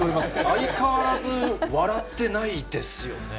相変わらず笑ってないですよね。